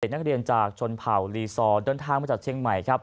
นักเรียนจากชนเผ่าลีซอร์เดินทางมาจากเชียงใหม่ครับ